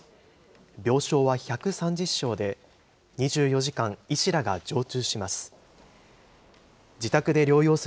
病床は１３０床で、２４時間、医師らが常駐します。